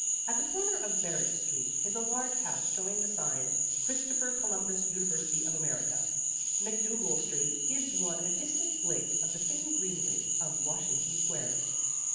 At the corner of Varick Street is a large house showing the sign, "Christopher Columbus University of America." Macdougal Street gives one a distant blink of the thin greenery of Washington Square.